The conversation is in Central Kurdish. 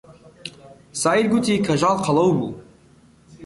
سەعید گوتی کەژاڵ قەڵەو بوو.